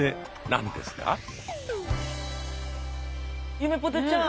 ゆめぽてちゃん